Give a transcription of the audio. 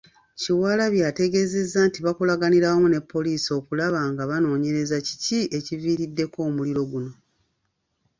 Kyewalabye ategeezezza nti bakolaganira wamu ne poliisi okulaba nga banoonyereza kiki ekiviiriddeko omuliro guno.